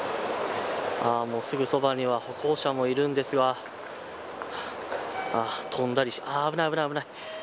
すぐそばには歩行者もいるんですけど跳んだり、危ない危ない。